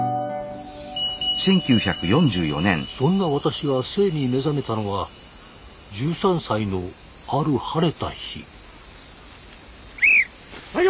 そんな私が性に目覚めたのは１３歳のある晴れた日。